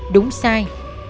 đúng chứ không phải là tình nhân